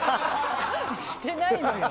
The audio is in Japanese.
してないのよ。